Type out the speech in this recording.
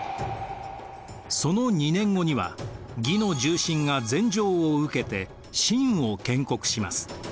その２年後には魏の重臣が禅譲を受けて晋を建国します。